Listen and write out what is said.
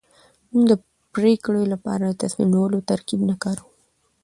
موږ د پرېکړې لپاره د تصميم نيولو ترکيب نه کاروو.